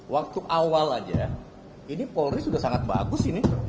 waktu awal aja ini polri sudah sangat bagus ini